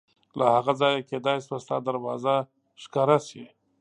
له هغه ځایه کېدای شوه ستا دروازه ښکاره شي.